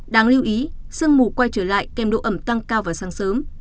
đáng lưu ý sương mù quay trở lại kèm độ ẩm tăng cao vào sáng sớm